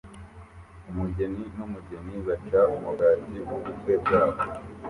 Umugeni n'umugeni baca umugati w'ubukwe bwabo